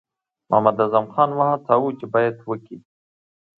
محمداعظم خان وهڅاوه چې بیعت وکړي.